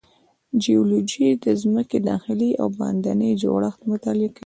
جیولوجی د ځمکې داخلي او باندینی جوړښت مطالعه کوي.